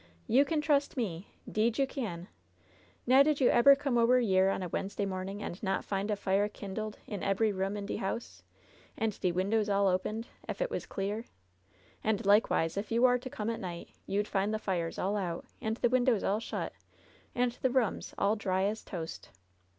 You can trust me — 'deed you can. Now did you 1« LOVE'S BITTEREST CUP eber come ober yere on a Wednesday morning, and not find a fire kindled into ebery room in de house, and de windows all opened, ef it was clear ? And likewise, if you war to come at night, you'd find the fires all out, and the windows all shut, and the rooms all dry as a toast.''